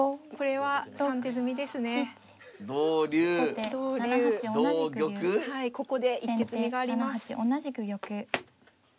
はいここで１手詰みがあります。